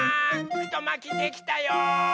ふとまきできたよ！